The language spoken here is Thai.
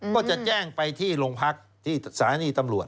ก็จะแจ้งไปที่โรงพักที่สถานีตำรวจ